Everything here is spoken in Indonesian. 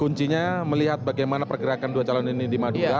kuncinya melihat bagaimana pergerakan dua calon ini di madura